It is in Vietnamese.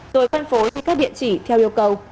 rồi phân phối các địa chỉ theo yêu cầu